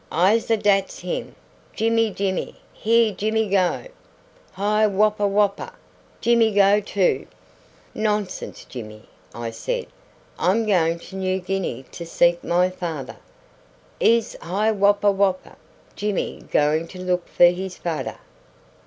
"Iss, dat's him, Jimmy, Jimmy, here Jimmy go. Hi wup wup wup, Jimmy go too." "Nonsense, Jimmy!" I said; "I'm going to New Guinea to seek my father." "Iss. Hi wup wup wup, Jimmy going to look for his fader."